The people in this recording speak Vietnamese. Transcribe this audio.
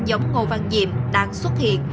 giống ngô văn diệm đang xuất hiện